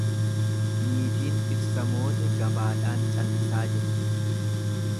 Niitiin dhirsa moote gabaadhaan callisaa jetti.